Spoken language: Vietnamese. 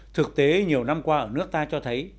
thực tế nhiều năm qua ở nước ta cho thấy